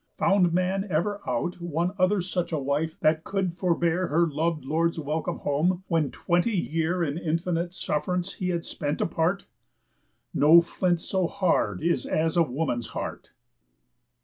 Found man ever out One other such a wife that could forbear Her lov'd lord's welcome home, when twenty year In infinite suff'rance he had spent apart. _No flint so hard is as a woman's heart."